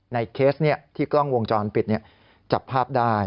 เคสที่กล้องวงจรปิดจับภาพได้